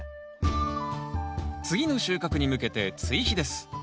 次の収穫に向けて追肥です。